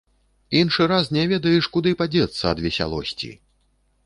Іншы раз не ведаеш, куды падзецца ад весялосці.